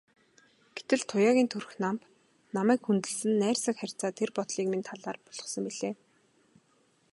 Гэтэл Туяагийн төрх намба, намайг хүндэлсэн найрсаг харьцаа тэр бодлыг минь талаар болгосон билээ.